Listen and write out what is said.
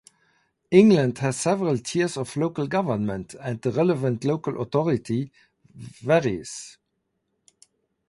England has several tiers of local government and the relevant local authority varies.